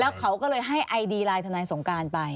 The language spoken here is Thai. เขาก็เลยให้ไอดีไลน์ทนายสงการไป